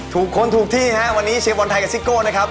คนถูกที่ฮะวันนี้เชียร์บอลไทยกับซิโก้นะครับ